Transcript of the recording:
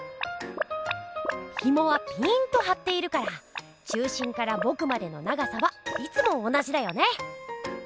ひもはピーンとはっているから中心からぼくまでの長さはいつも同じだよね。